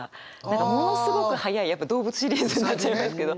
ものすごく速い動物シリーズになっちゃいますけど。